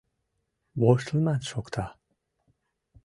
Воштылмат шокта.